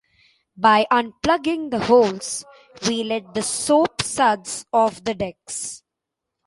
By unplugging the holes, we let the soap-suds off the decks.